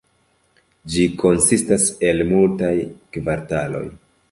Ĝi konsistas el multaj kvartaloj.